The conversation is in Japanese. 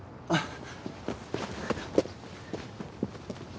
あっ！